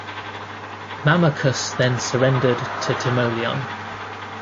Mamercus then surrendered to Timoleon.